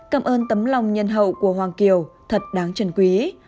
cảm ơn tấm lòng nhân hậu của hoàng kiều thật đáng chân quý